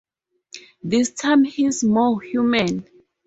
This time he's more human.